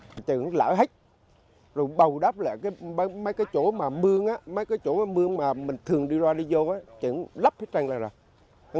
mấy cái chỗ mà mưa mấy cái chỗ mà mưa mà mình thường đi ra đi vô chẳng lấp hết trang lại rồi